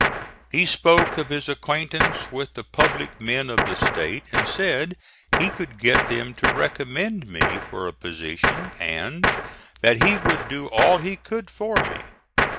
He spoke of his acquaintance with the public men of the State, and said he could get them to recommend me for a position and that he would do all he could for me.